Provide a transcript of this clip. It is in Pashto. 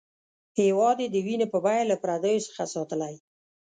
هېواد یې د وینې په بیه له پردیو څخه ساتلی.